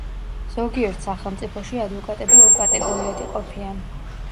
ზოგიერთ სახელმწიფოში ადვოკატები ორ კატეგორიად იყოფიან.